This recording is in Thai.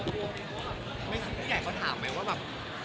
ผู้ใหญ่เขาถามไหมว่าแบบ